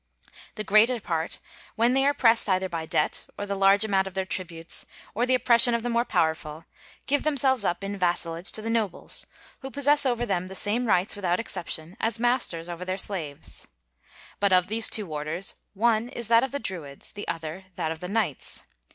The greater part, when they are pressed either by debt, or the large amount of their tributes, or the oppression of the more powerful, give themselves up in vassalage to the nobles, who possess over them the same rights, without exception, as masters over their slaves. But of these two orders, one is that of the Druids, the other that of the knights.